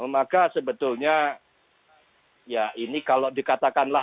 maka sebetulnya ya ini kalau dikatakanlah